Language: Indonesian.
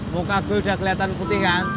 muka gue udah kelihatan putih kan